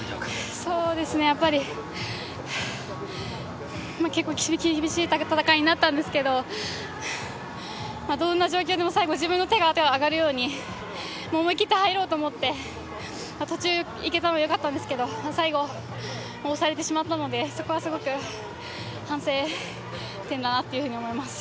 やっぱり、結構、厳しい戦いになったんですけど、どんな状況でも最後、自分の手が挙がるように、思い切って入ろうと思って、途中、いけたのはよかったんですけど、最後、押されてしまったので、そこはすごく反省点だなというふうに思います。